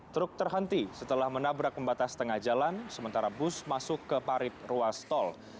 truk terhenti setelah menabrak pembatas tengah jalan sementara bus masuk ke parit ruas tol